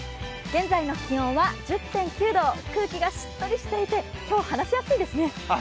現在の気温は１０．９度空気がしっとりしていて今日は話しやすいですね。